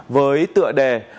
với tựa đề